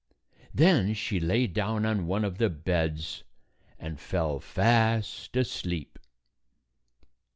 Then she lay down on one of the beds and fell fast asleep.